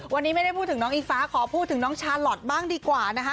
วันนี้ไม่ได้พูดถึงน้องอิงฟ้าขอพูดถึงน้องชาลอทบ้างดีกว่านะคะ